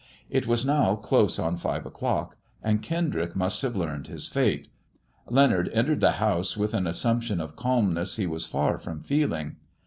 It was now close on five o'clock, and Kendrick must have learned his fate. Leonard entered the house with an assumption of calmness he was far from feeling.